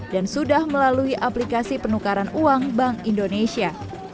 dan sudah melalui aplikasi penukaran uang bank indonesia